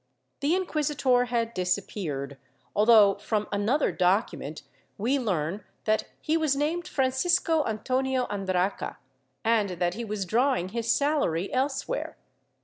The inquisitor had disappeared, although from another document we learn that he was named Francisco Antonio Andraca and that he was draVving his salary elsewhere.